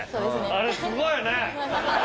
あれすごいよ！